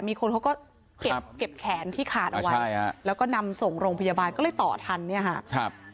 มีคนเขาก็เก็บแขนที่ขาดเอาไว้ใช่ฮะแล้วก็นำส่งโรงพยาบาลก็เลยต่อทันเนี่ยค่ะครับ